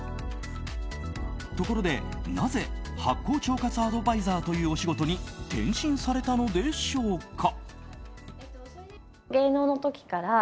ところで、なぜ発酵腸活アドバイザーというお仕事に転身されたのでしょうか？